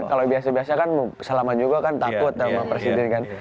kalau biasa biasa kan salaman juga kan takut sama presiden kan